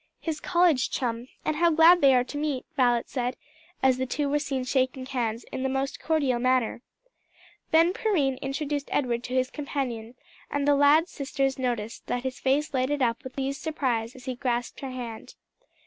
"His college chum and how glad they are to meet," Violet said as the two were seen shaking hands in the most cordial manner. Then Perrine introduced Edward to his companion, and the lad's sisters noticed that his face lighted up with pleased surprise as he grasped her hand.